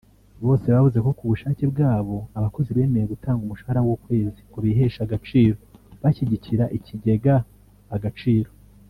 bose bavuze ko kubushake bwabo abakozi bemeye gutanga umushahara w’Ukwezi ngo biheshe agaciro bashyigikira Ikigega Agaciro